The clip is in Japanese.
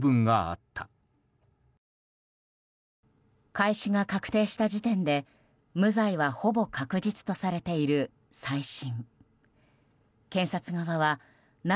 開始が確定した時点で無罪は、ほぼ確実とされている再審。